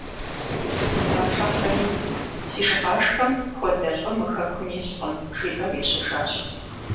Мудар Хьэфэми: «Си шыгъашхэм хуэдэ лӀы мы хэкум искъым», – жиӀэу ежьэжащ.